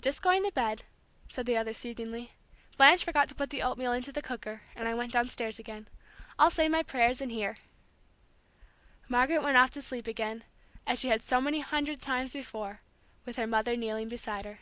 "Just going to bed," said the other, soothingly. "Blanche forgot to put the oatmeal into the cooker, and I went downstairs again. I'll say my prayers in here." Margaret went off to sleep again, as she had so many hundred times before, with her mother kneeling beside her.